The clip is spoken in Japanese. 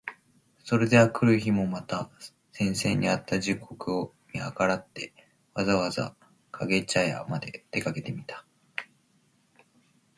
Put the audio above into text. それで翌日（あくるひ）もまた先生に会った時刻を見計らって、わざわざ掛茶屋（かけぢゃや）まで出かけてみた。